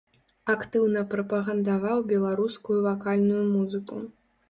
Актыўна прапагандаваў беларускую вакальную музыку.